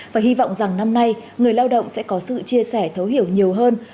và hy vọng rằng năm nay người lao động sẽ có sự chia sẻ thấu hiểu nhiều hơn